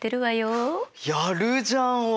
やるじゃん俺！